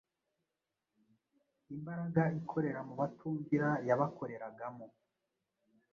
Imbaraga ikorera mu batumvira yabakoreragamo,